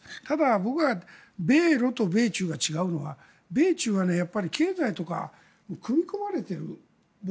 ただ、僕は米ロと米中が違うのは米中はやっぱり経済とか元々、組み込まれている。